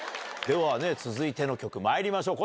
ではね、続いての曲、まいりましょう。